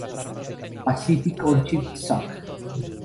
Pacific Orchid Soc.